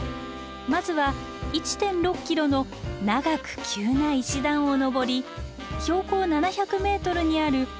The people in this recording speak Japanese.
まずは１．６ｋｍの長く急な石段を上り標高７００ｍにある阿夫利神社下社へ。